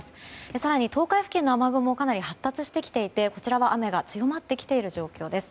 更に東海付近の雨具かなり発達してきていて雨が強まってきている状況です。